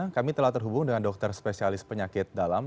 kami telah terhubung dengan dokter spesialis penyakit dalam